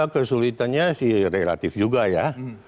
kesulitannya sih relatif juga ya